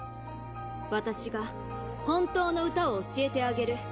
私が本当の歌を教えてあげる。